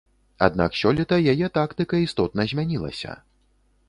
Аднак сёлета яе тактыка істотна змянілася.